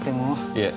いえ